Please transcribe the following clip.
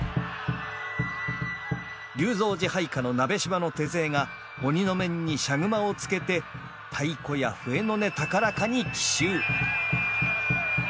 龍造寺配下の鍋島の手勢が鬼の面に赤熊をつけて太鼓や笛の音高らかに奇襲。